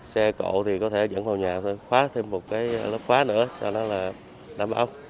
xe cổ thì có thể dẫn vào nhà khóa thêm một cái lớp khóa nữa cho nó là đảm bảo